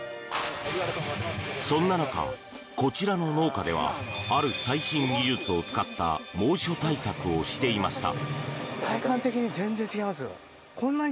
そんな中、こちらの農家ではある最新技術を使った猛暑対策をしていました。